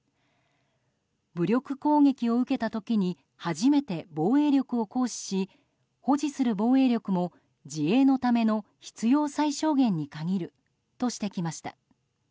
武力攻撃を受けた時に初めて防衛力を行使し保持する防衛力も自衛のための必要最小限に限るとしてきました。